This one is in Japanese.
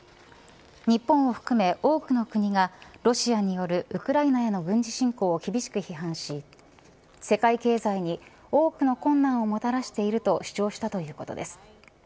日本を含め多くの国がロシアによるウクライナへの軍事侵攻を厳しく批判し世界経済に多くの困難をもたらしていると主張したということです。